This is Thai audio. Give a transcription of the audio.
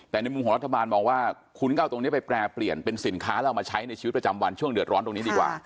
แต่ในมุมของรัฐบาลมองว่าคุณก็เอาตรงนี้ไปแปรเปลี่ยนเป็นสินค้าแล้วเอามาใช้ในชีวิตประจำวันช่วงเดือดร้อนตรงนี้ดีกว่า